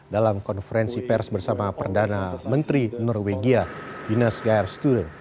dalam konferensi pers bersama perdana menteri norwegia jynos gajerstudel